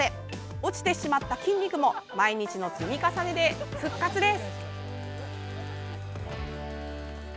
落ちてしまった筋肉も毎日の積み重ねで復活です。